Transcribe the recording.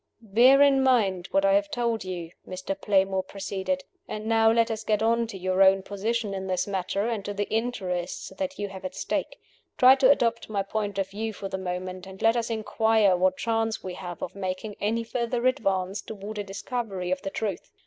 "Bear in mind what I have told you," Mr. Playmore proceeded. "And now let us get on to your own position in this matter, and to the interests that you have at stake. Try to adopt my point of view for the moment; and let us inquire what chance we have of making any further advance toward a discovery of the truth.